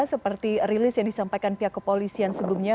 seperti rilis yang disampaikan pihak kepolisian sebelumnya